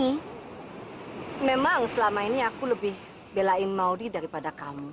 tapi memang selama ini aku lebih belain maudie daripada kamu